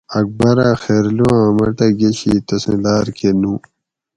اکبرہ خیرلو آں مٹہ گشی تسوں لار کہ نُو